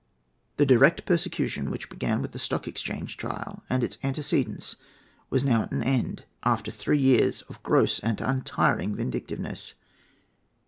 The direct persecution which began with the Stock Exchange trial and its antecedents was now at an end, after three years of gross and untiring vindictiveness.